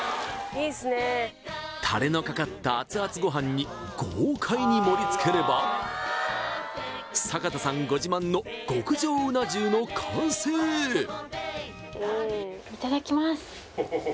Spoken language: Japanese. タレのかかった熱々ご飯に豪快に盛りつければさかたさんご自慢の極上うな重の完成いただきます